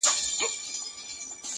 بس همدومره مي زده کړي له استاده-